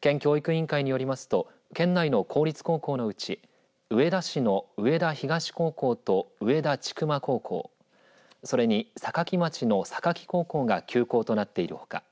県教育委員会によりますと県内の公立高校のうち上田市の上田東高校と上田千曲高校それに坂城町の坂城高校が休校となっているほか。